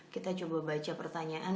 kita coba baca pertanyaan